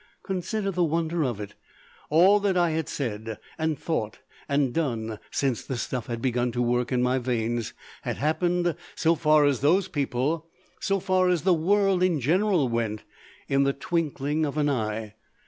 Consider the wonder of it! All that I had said, and thought, and done since the stuff had begun to work in my veins had happened, so far as those people, so far as the world in general went, in the twinkling of an eye.